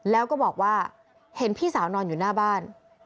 แล้วก็บอกว่าเห็นพี่สาวนอนอยู่หน้าบ้าน